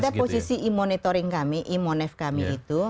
pada posisi imunitoring kami imun fkm itu